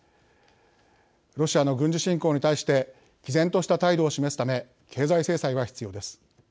ロシアの軍事侵攻に対してきぜんとした態度を示すため経済制裁は必要です。